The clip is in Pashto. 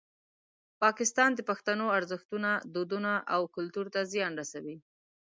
پاکستان د پښتنو ارزښتونه، دودونه او کلتور ته زیان رسوي.